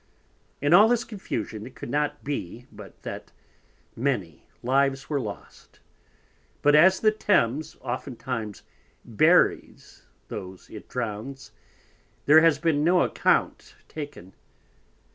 In all this confusion it could not be, but that many Lives were lost, but as the Thames often times Buries those it drowns, there has been no account taken.